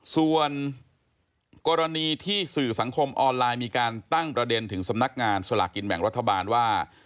ส่วนกรณีที่สื่อสังคมออนไลน์มีการตั้งประเด็นถึงสำนักงานสลากกินแบ่งรัฐบาลว่า